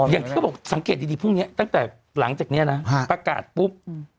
อย่างที่เขาบอกสังเกตดีพรุ่งนี้ตั้งแต่หลังจากนี้นะประกาศปุ๊บ